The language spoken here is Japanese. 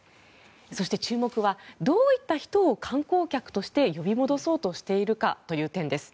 そして、注目はどういった人を観光客として呼び戻そうとしているかという点です。